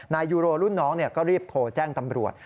นายยูโรรุ่นน้องก็รีบโทรแจ้งตำรวจ